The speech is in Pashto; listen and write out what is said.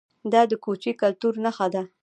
دا د کوچي کلتور نښه وه